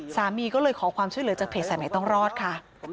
สามีก็เลยขอความช่วยเหลือจากเพจสายใหม่ต้องรอดค่ะ